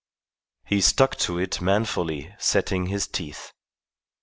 He stuck to it manfully, setting his teeth.